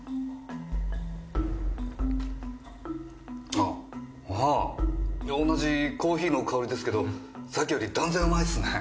あっああ同じコーヒーの香りですけどさっきより断然うまいっすね。